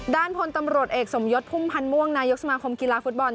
ด้านพลตำรวจเอกสมยศพุ่มพันธ์ม่วงนายกสมาคมกีฬาฟุตบอล